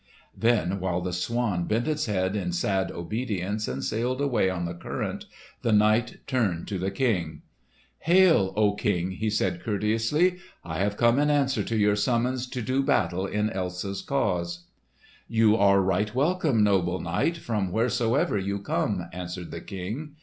Then while the swan bent its head in sad obedience and sailed away on the current, the knight turned to the King. "Hail, O King!" he said courteously. "I have come in answer to your summons to do battle in Elsa's cause." "You are right welcome, noble knight, from wheresoever you come," answered the King.